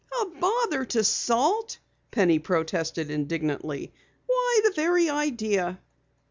"A bother to Salt!" Penny protested indignantly. "Why, the very idea!"